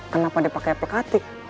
kenapa dia pakai pekatik